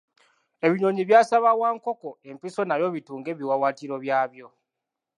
Ebinyonyi byasaba Wankoko empiso nabyo bitunge ebiwawaatiro byabyo.